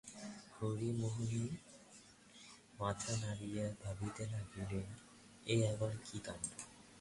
হরিমোহিনী মাথা নাড়িয়া ভাবিতে লাগিলেন– এ আাবার কী কাণ্ড!